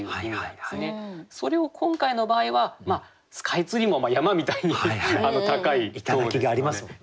それを今回の場合はスカイツリーも山みたいに高い塔ですので。